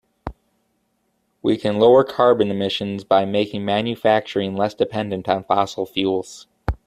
We can lower carbon emissions by making manufacturing less dependent on fossil fuels.